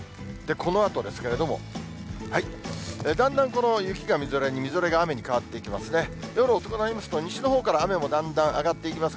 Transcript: このあとですけれども、だんだんこの雪がみぞれに、みぞれが雨に変わっていきますね。